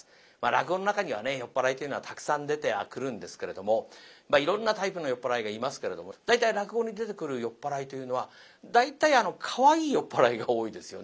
落語の中にはね酔っ払いというのはたくさん出てはくるんですけれどもいろんなタイプの酔っ払いがいますけれども大体落語に出てくる酔っ払いというのは大体かわいい酔っ払いが多いですよね。